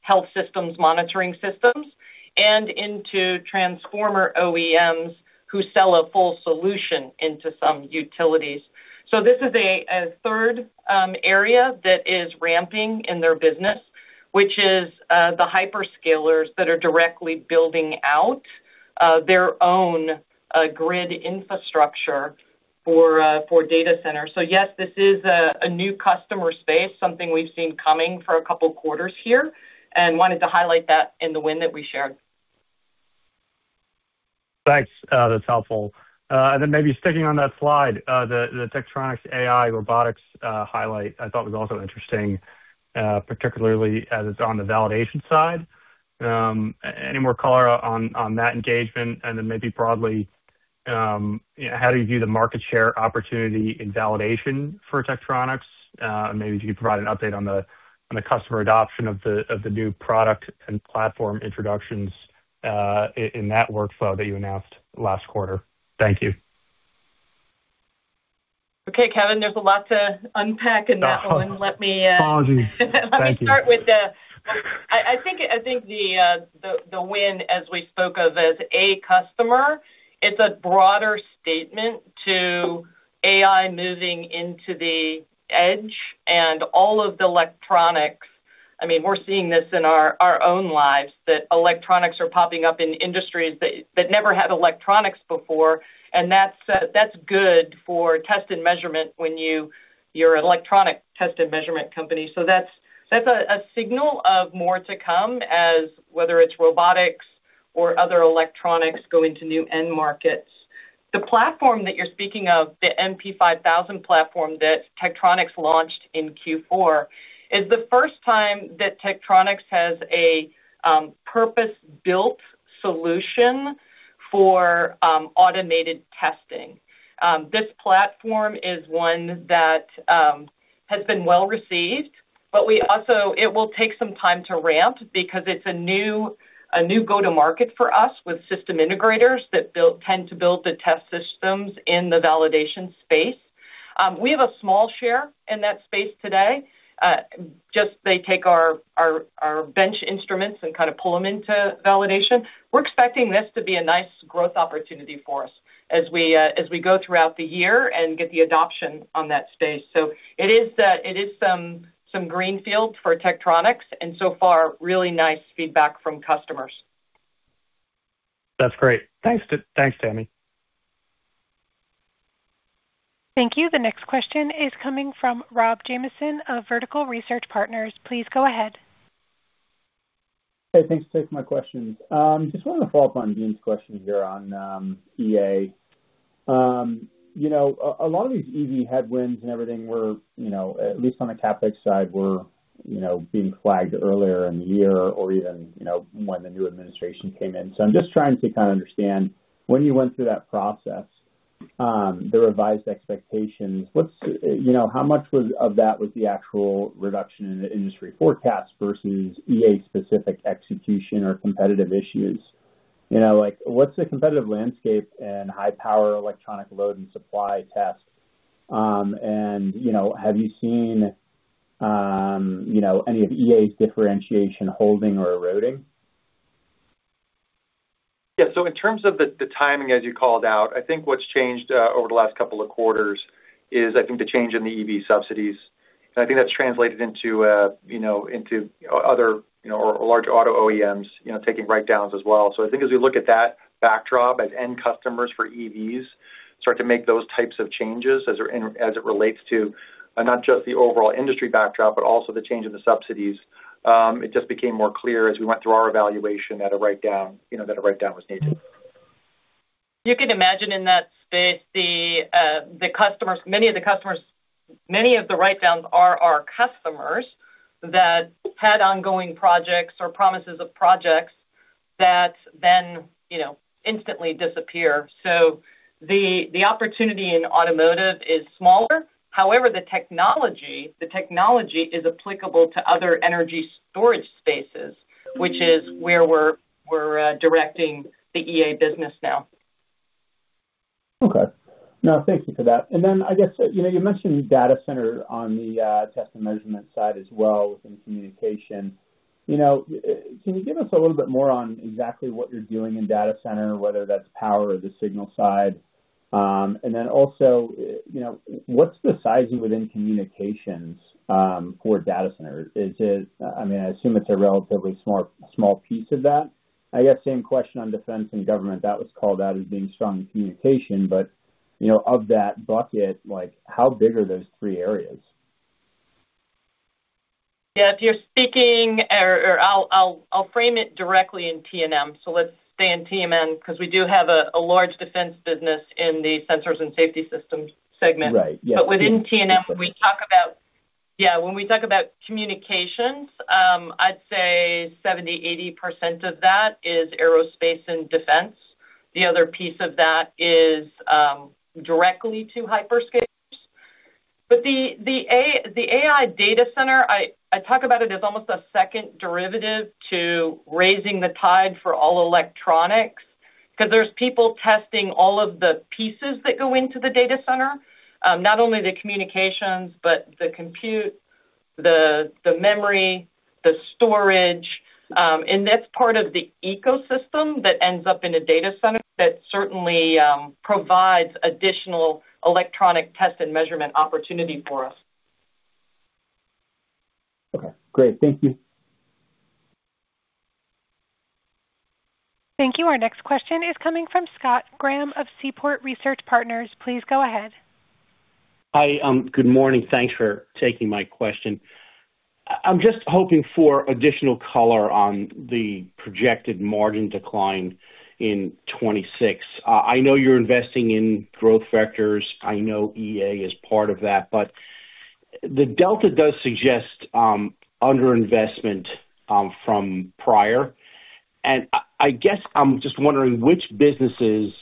health systems, monitoring systems, and into transformer OEMs who sell a full solution into some utilities. So this is a third area that is ramping in their business, which is the hyperscalers that are directly building out their own grid infrastructure for data centers. So yes, this is a new customer space, something we've seen coming for a couple of quarters here, and wanted to highlight that in the win that we shared. Thanks. That's helpful. And then maybe sticking on that slide, the Tektronix AI robotics highlight, I thought was also interesting, particularly as it's on the validation side. Any more color on that engagement, and then maybe broadly, how do you view the market share opportunity in validation for Tektronix? Maybe could you provide an update on the customer adoption of the new product and platform introductions in that workflow that you announced last quarter? Thank you. Okay, Kevin, there's a lot to unpack in that one. Let me Apologies. Thank you. Let me start with the—I think the win, as we spoke of as a customer, it's a broader statement to AI moving into the edge and all of the electronics. I mean, we're seeing this in our own lives, that electronics are popping up in industries that never had electronics before, and that's good for test and measurement when you're an electronic test and measurement company. So that's a signal of more to come, as whether it's robotics or other electronics go into new end markets. The platform that you're speaking of, the MP5000 platform that Tektronix launched in Q4, is the first time that Tektronix has a purpose-built solution for automated testing. This platform is one that has been well received, but it will take some time to ramp because it's a new go-to-market for us with system integrators that tend to build the test systems in the validation space. We have a small share in that space today. Just they take our bench instruments and kind of pull them into validation. We're expecting this to be a nice growth opportunity for us as we go throughout the year and get the adoption on that space. So it is some greenfields for Tektronix, and so far, really nice feedback from customers. That's great. Thanks, Tami. Thank you. The next question is coming from Rob Jamison of Vertical Research Partners. Please go ahead. Hey, thanks for taking my question. Just wanted to follow up on Jim's question here on EA. You know, a lot of these EV headwinds and everything were, you know, at least on the CapEx side, being flagged earlier in the year or even, you know, when the new administration came in. So I'm just trying to kind of understand, when you went through that process, the revised expectations. You know, how much of that was the actual reduction in the industry forecast versus EA-specific execution or competitive issues? You know, like, what's the competitive landscape in high power electronic load and supply test? And, you know, have you seen, you know, any of EA's differentiation holding or eroding? Yeah, so in terms of the timing, as you called out, I think what's changed over the last couple of quarters is, I think, the change in the EV subsidies. And I think that's translated into, you know, into other, you know, or large auto OEMs, you know, taking write-downs as well. So I think as we look at that backdrop, as end customers for EVs start to make those types of changes as it relates to not just the overall industry backdrop, but also the change in the subsidies, it just became more clear as we went through our evaluation that a write-down, you know, that a write-down was needed. You can imagine in that space, the customers. Many of the write-downs are our customers that had ongoing projects or promises of projects that then, you know, instantly disappear. So the opportunity in automotive is smaller. However, the technology is applicable to other energy storage spaces, which is where we're directing the EA business now. Okay. No, thank you for that. And then, I guess, you know, you mentioned data center on the test and measurement side as well, within communication. You know, can you give us a little bit more on exactly what you're doing in data center, whether that's power or the signal side? And then also, you know, what's the sizing within communications for data centers? Is it—I mean, I assume it's a relatively small, small piece of that. I guess same question on defense and government. That was called out as being strong in communication, but, you know, of that bucket, like, how big are those three areas? Yeah, if you're speaking, I'll frame it directly in T&M. So let's stay in T&M, because we do have a large defense business in the sensors and safety systems segment. Right, yeah. But within T&M, we talk about... Yeah, when we talk about communications, I'd say 70%-80% of that is aerospace and defense. The other piece of that is directly to hyperscalers. But the AI data center, I talk about it as almost a second derivative to raising the tide for all electronics, because there's people testing all of the pieces that go into the data center, not only the communications, but the compute, the memory, the storage, and that's part of the ecosystem that ends up in a data center. That certainly provides additional electronic test and measurement opportunity for us. Okay, great. Thank you. Thank you. Our next question is coming from Scott Graham of Seaport Research Partners. Please go ahead. Hi, good morning. Thanks for taking my question. I'm just hoping for additional color on the projected margin decline in 2026. I know you're investing in growth vectors. I know EA is part of that, but the delta does suggest underinvestment from prior, and I guess I'm just wondering which businesses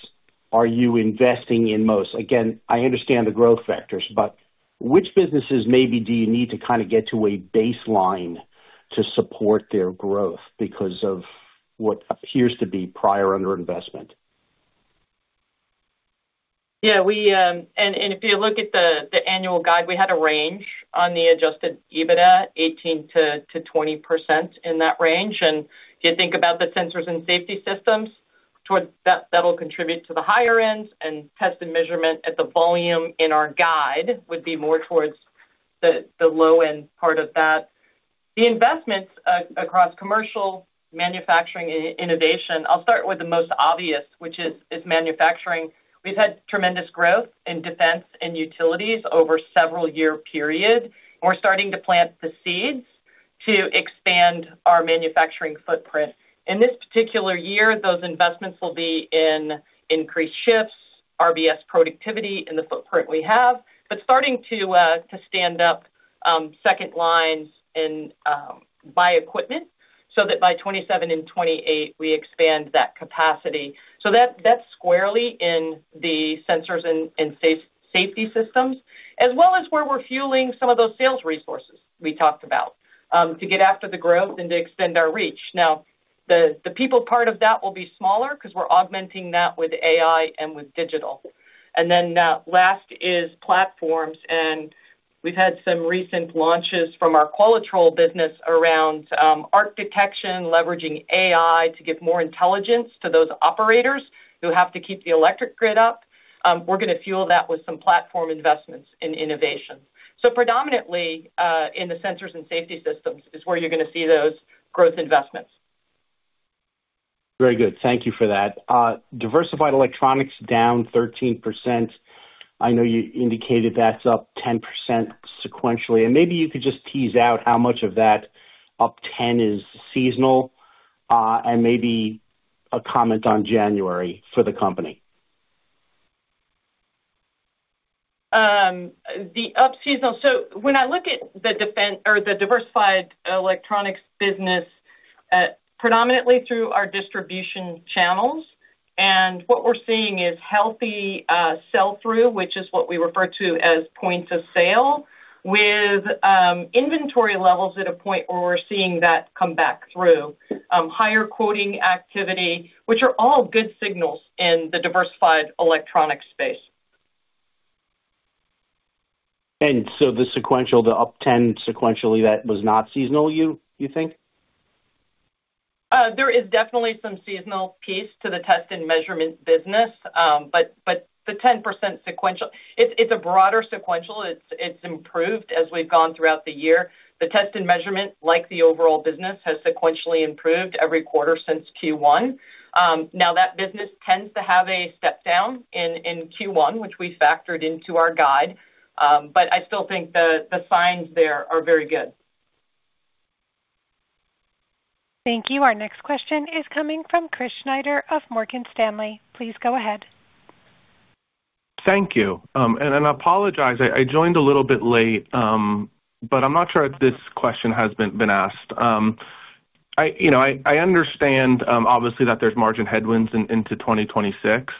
are you investing in most? Again, I understand the growth vectors, but which businesses maybe do you need to kind of get to a baseline to support their growth because of what appears to be prior underinvestment? Yeah, we. And if you look at the annual guide, we had a range on the Adjusted EBITDA, 18%-20% in that range. And if you think about the sensors and safety systems, towards that, that'll contribute to the higher end, and test and measurement at the volume in our guide would be more towards the low end part of that. The investments across commercial, manufacturing, and innovation, I'll start with the most obvious, which is manufacturing. We've had tremendous growth in defense and utilities over several year period, and we're starting to plant the seeds to expand our manufacturing footprint. In this particular year, those investments will be in increased shifts, RBS productivity in the footprint we have, but starting to stand up-... Second lines and buy equipment, so that by 2027 and 2028, we expand that capacity. So that's squarely in the sensors and safety systems, as well as where we're fueling some of those sales resources we talked about to get after the growth and to extend our reach. Now, the people part of that will be smaller because we're augmenting that with AI and with digital. And then last is platforms, and we've had some recent launches from our Qualitrol business around arc detection, leveraging AI to give more intelligence to those operators who have to keep the electric grid up. We're gonna fuel that with some platform investments in innovation. So predominantly in the sensors and safety systems is where you're gonna see those growth investments. Very good. Thank you for that. Diversified Electronics down 13%. I know you indicated that's up 10% sequentially, and maybe you could just tease out how much of that up 10 is seasonal, and maybe a comment on January for the company. The up seasonal. So when I look at the defense or the Diversified Electronics business, predominantly through our distribution channels, and what we're seeing is healthy sell-through, which is what we refer to as points of sale, with inventory levels at a point where we're seeing that come back through higher quoting activity, which are all good signals in the Diversified Electronics space. So the sequential, the up 10 sequentially, that was not seasonal, you think? There is definitely some seasonal piece to the test and measurement business, but the 10% sequential, it's a broader sequential. It's improved as we've gone throughout the year. The test and measurement, like the overall business, has sequentially improved every quarter since Q1. Now, that business tends to have a step down in Q1, which we factored into our guide, but I still think the signs there are very good. Thank you. Our next question is coming from Chris Snyder of Morgan Stanley. Please go ahead. Thank you. I apologize, I joined a little bit late, but I'm not sure if this question has been asked. You know, I understand, obviously, that there's margin headwinds into 2026,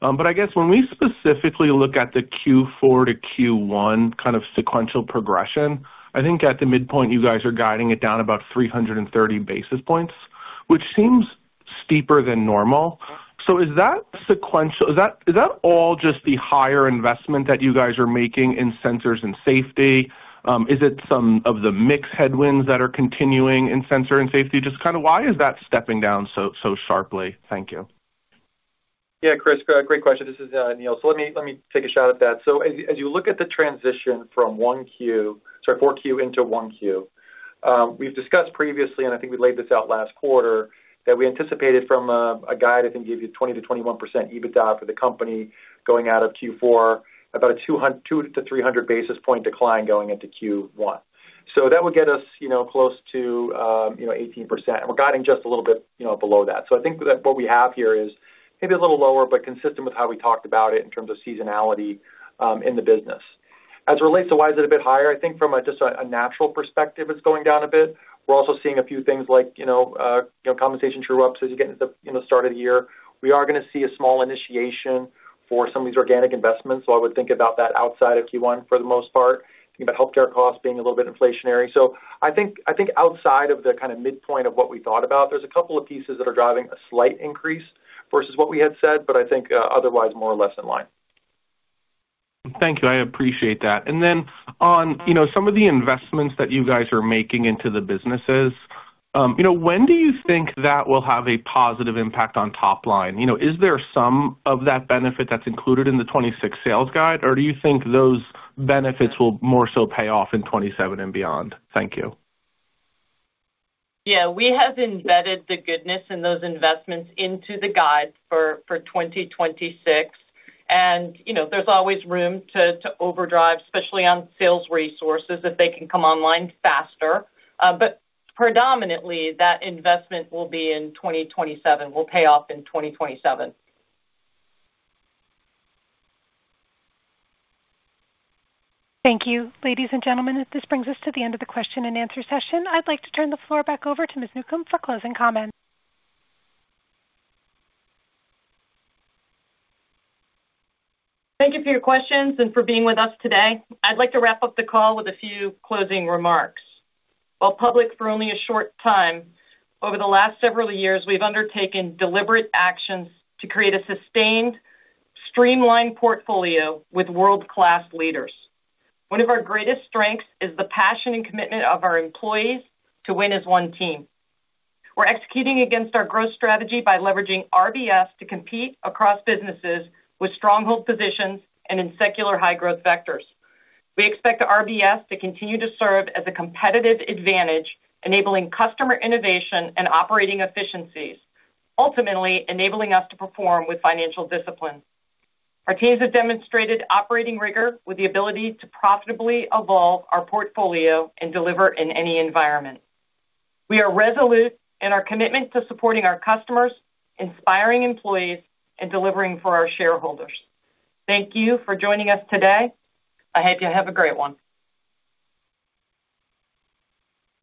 but I guess when we specifically look at the Q4 to Q1 kind of sequential progression, I think at the midpoint, you guys are guiding it down about 330 basis points, which seems steeper than normal. So is that sequential, is that, is that all just the higher investment that you guys are making in sensors and safety? Is it some of the mix headwinds that are continuing in sensor and safety? Just kind of why is that stepping down so sharply? Thank you. Yeah, Chris, great question. This is Neill. So let me, let me take a shot at that. So as you, as you look at the transition from 4Q into 1Q, we've discussed previously, and I think we laid this out last quarter, that we anticipated from a guide, I think, gave you 20%-21% EBITDA for the company going out of Q4, about a 200-300 basis point decline going into Q1. So that would get us, you know, close to, you know, 18%. We're guiding just a little bit, you know, below that. So I think that what we have here is maybe a little lower, but consistent with how we talked about it in terms of seasonality in the business. As it relates to why is it a bit higher, I think from a just a natural perspective, it's going down a bit. We're also seeing a few things like, you know, you know, compensation true-ups as you get into the, you know, start of the year. We are gonna see a small initiation for some of these organic investments, so I would think about that outside of Q1, for the most part, think about healthcare costs being a little bit inflationary. So I think, I think outside of the kind of midpoint of what we thought about, there's a couple of pieces that are driving a slight increase versus what we had said, but I think, otherwise more or less in line. Thank you. I appreciate that. And then on, you know, some of the investments that you guys are making into the businesses, you know, when do you think that will have a positive impact on top line? You know, is there some of that benefit that's included in the 2026 sales guide, or do you think those benefits will more so pay off in 2027 and beyond? Thank you. Yeah, we have embedded the goodness in those investments into the guide for 2026. And, you know, there's always room to overdrive, especially on sales resources, if they can come online faster. But predominantly, that investment will be in 2027, will pay off in 2027. Thank you. Ladies and gentlemen, this brings us to the end of the question and answer session. I'd like to turn the floor back over to Ms. Newcombe for closing comments. Thank you for your questions and for being with us today. I'd like to wrap up the call with a few closing remarks. While public for only a short time, over the last several years, we've undertaken deliberate actions to create a sustained, streamlined portfolio with world-class leaders. One of our greatest strengths is the passion and commitment of our employees to win as one team. We're executing against our growth strategy by leveraging RBS to compete across businesses with stronghold positions and in secular high growth vectors. We expect the RBS to continue to serve as a competitive advantage, enabling customer innovation and operating efficiencies, ultimately enabling us to perform with financial discipline. Our teams have demonstrated operating rigor with the ability to profitably evolve our portfolio and deliver in any environment. We are resolute in our commitment to supporting our customers, inspiring employees, and delivering for our shareholders. Thank you for joining us today. I hope you have a great one.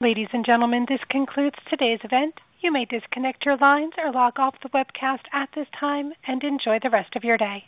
Ladies and gentlemen, this concludes today's event. You may disconnect your lines or log off the webcast at this time, and enjoy the rest of your day.